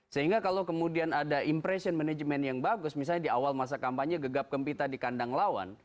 sehingga kalau kemudian ada impression management yang bagus misalnya di awal masa kampanye gegap gempita di kandang lawan